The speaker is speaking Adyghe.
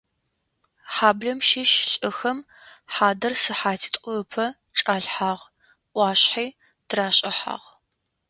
Хьаблэм щыщ лӏыхэм хьадэр сыхьатитӏу ыпэ чӏалъхьагъ, ӏуашъхьи трашӏыхьагъ.